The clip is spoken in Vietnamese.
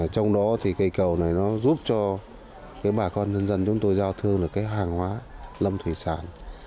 trong đó thì cây cầu này nó giúp cho bà con nhân dân chúng tôi giao thương được cái hàng hóa lâm thủy sản